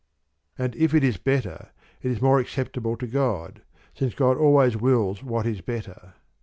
And if it is better, it is more acceptable to God, since God always wills what is better.